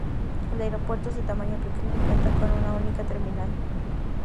El aeropuerto es de tamaño pequeño y cuenta con una única terminal.